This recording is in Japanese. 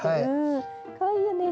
かわいいよね。